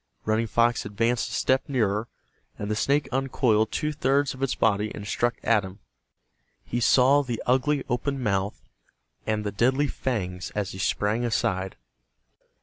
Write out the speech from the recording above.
Running Fox advanced a step nearer, and the snake uncoiled two thirds of its body and struck at him. He saw the ugly open mouth and the deadly fangs as he sprang aside.